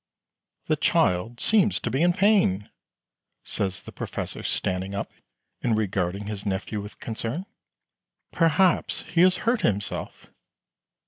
"The child seems to be in pain," says the Professor, standing up, and regarding his nephew with concern. "Perhaps he has hurt himself."